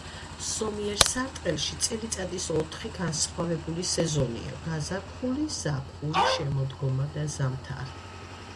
ზომიერ სარტყელში წელიწადის ოთხი განსხვავებული სეზონია:გაზაფხული, ზაფხული, შემოდგომა და ზამთარი.